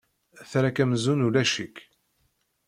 Terra-k amzun ulac-ik.